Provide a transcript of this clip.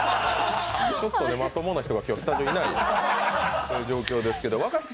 ちょっとまともな人が今日はスタジオにいない状況ですけど。